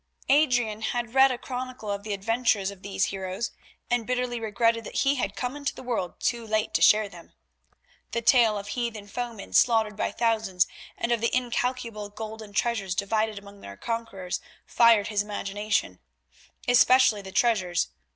Adrian had read a chronicle of the adventures of these heroes, and bitterly regretted that he had come into the world too late to share them. The tale of heathen foemen slaughtered by thousands, and of the incalculable golden treasures divided among their conquerors, fired his imagination—especially the treasures.